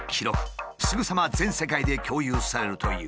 すぐさま全世界で共有されるという。